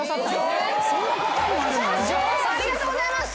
ありがとうございます！